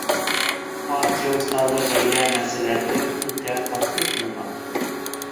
Партия уставы ғаилә мәсьәләһен үтә ҡаты ҡуйған.